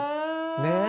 ねえ。